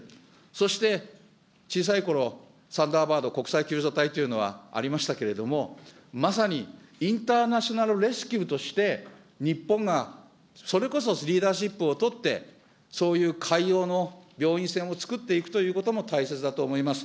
そして、小さいころ、サンダーバード国際救助隊というのがありましたけれども、まさにインターナショナルレスキューとして、日本がそれこそリーダーシップを取って、そういう海洋の病院船を造っていくということも大切だと思います。